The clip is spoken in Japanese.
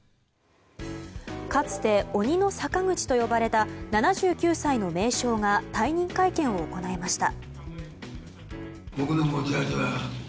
かつて鬼の阪口と呼ばれた７９歳の名将が退任会見を行いました。